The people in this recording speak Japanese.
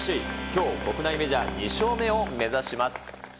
きょう、国内メジャー２勝目を目指します。